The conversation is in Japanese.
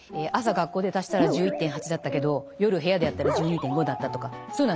学校で足したら１１．８だったけど夜部屋でやったら１２．５だったとかそういうのはないわけです。